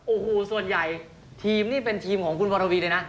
โอ้โหส่วนใหญ่ทีมนี่เป็นทีมของคุณวรวีเลยนะ